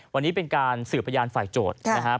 วันนี้เป็นการสืบพยานฝ่ายโจทย์นะครับ